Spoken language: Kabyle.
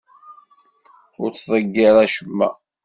Ur ttḍeyyir acemma.